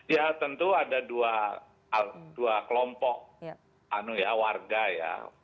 ya tentu ada dua kelompok warga ya